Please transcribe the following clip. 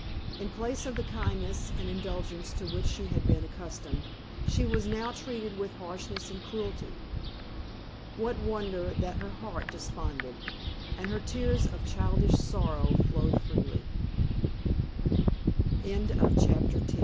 In place of the kindness and indulgence to which she had been accustomed, she was now treated with harshness and cruelty. What wonder that her heart desponded, and her tears of childish sorrow flowed freely? CHAPTER XI.